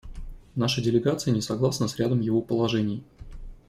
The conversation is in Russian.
Наша делегация не согласна с рядом его положений.